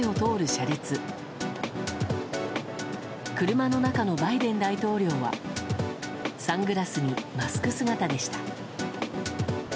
車の中のバイデン大統領はサングラスにマスク姿でした。